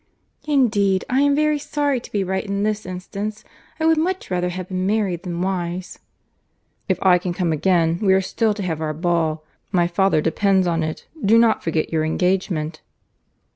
"Indeed, I am very sorry to be right in this instance. I would much rather have been merry than wise." "If I can come again, we are still to have our ball. My father depends on it. Do not forget your engagement."